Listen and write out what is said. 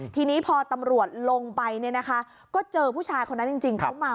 ทีนี้พอตำรวจลงไปเนี่ยนะคะก็เจอผู้ชายคนนั้นจริงเขามา